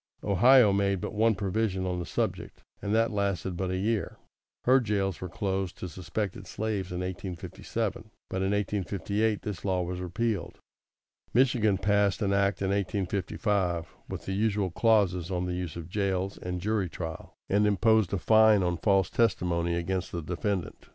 Ohio made but one provision on the subject, and that lasted but a year. Her jails were closed to suspected slaves in 1857, but in 1858 this law was repealed. Michigan passed such an act in 1855, with the usual clauses on the use of jails and jury trial, and imposed a fine on false testimony against the defendant.